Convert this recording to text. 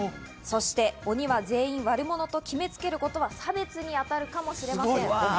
そして鬼は全員悪者と決め付けることは差別にあたるかもしれません。